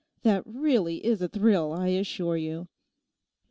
That really is a thrill, I assure you.